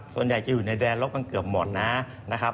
ส่วนใหญ่จะอยู่ในแดนลบกันเกือบหมดนะครับ